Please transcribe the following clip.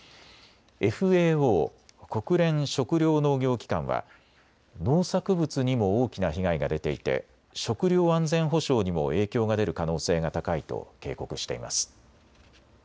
ＦＡＯ・国連食糧農業機関は農作物にも大きな被害が出ていて食料安全保障にも影響が出る可能性が高いと警告しています。